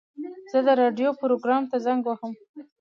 زه د راډیو پروګرام ته زنګ وهم.